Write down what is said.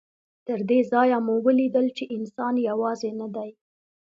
تر دې ځایه مو ولیدل چې انسان یوازې نه دی.